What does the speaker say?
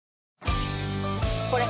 これ。